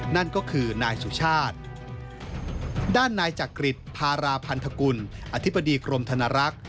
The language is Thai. นั่นก็คือนายสุชาติด้านนายจักริจพาราพันธกุลอธิบดีกรมธนรักษ์